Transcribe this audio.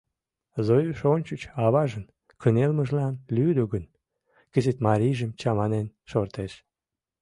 Зоюш ончыч аважын кынелмыжлан лӱдӧ гын, кызыт марийжым чаманен шортеш...